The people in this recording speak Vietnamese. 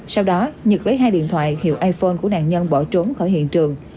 sau đó nhật lấy hai điện thoại hiệu iphone của nạn nhân bỏ trốn khỏi hiện trường